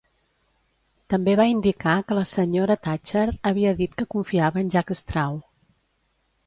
També va indicar que la senyora Thatcher havia dit que confiava en Jack Straw.